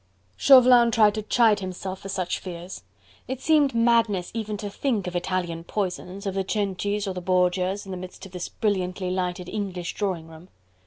Chauvelin tried to chide himself for such fears. It seemed madness even to think of Italian poisons, of the Cencis or the Borgias in the midst of this brilliantly lighted English drawing room.